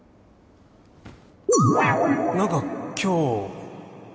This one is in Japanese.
何か今日